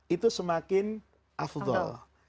itu semakin afdol